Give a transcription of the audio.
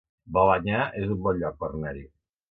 Balenyà es un bon lloc per anar-hi